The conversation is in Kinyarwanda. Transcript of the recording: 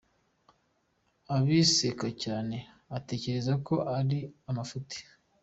Arabiseka cyane atekereza ko ari amafuti.